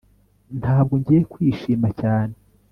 Ntabwo ngiye kwishima cyane